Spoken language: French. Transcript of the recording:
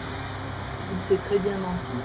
il sait très bien mentir.